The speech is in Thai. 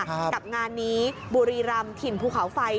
กับงานนี้บุรีรำถิ่นภูเขาไฟ